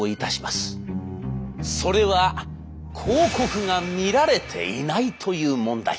それは広告が見られていないという問題。